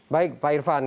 baik pak irfan